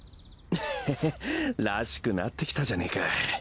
ヘヘらしくなってきたじゃねえか。